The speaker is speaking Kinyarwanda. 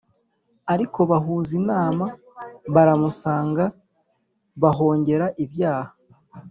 Ariko bahuza inama baramusanga bahongera ibyaha